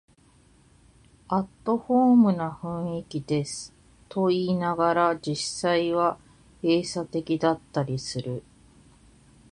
アットホームな雰囲気ですと言いながら、実際は閉鎖的だったりする